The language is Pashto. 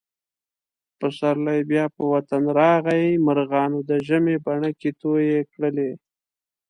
پسرلی بیا په وطن راغی. مرغانو د ژمي بڼکې تویې کړلې.